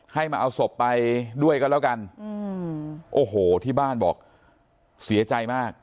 ให้มาเอาศพไปด้วยกันแล้วกันอืมโอ้โหที่บ้านบอกเสียใจมาก